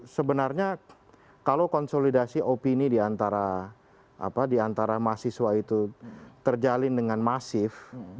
sebenarnya kalau konsolidasi opini diantara mahasiswa itu terjalin dengan masif